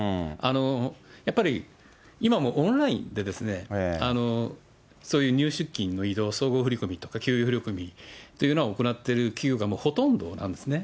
やっぱり今もうオンラインでそういう入出金の移動、相互振り込みとか給料振り込みとか行っている企業がほとんどなんですね。